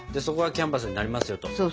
そこがキャンバスになりますよと。